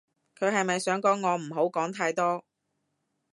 佢係咪想講我唔好講太多